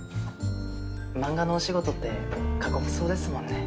漫画のお仕事って過酷そうですもんね。